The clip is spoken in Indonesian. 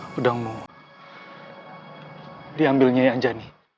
pedangmu diambil nyaya anjani